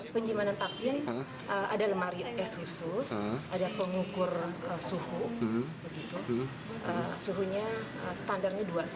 penyimpanan vaksin ada lemari es khusus ada pengukur suhunya standarnya dua lima